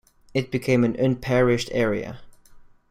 It became an unparished area.